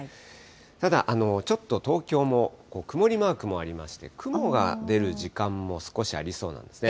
ただちょっと東京も曇りマークもありまして、雲が出る時間も少しありそうなんですね。